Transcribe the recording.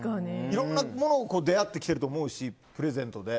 いろんなものに出会っていると思うしプレゼントで。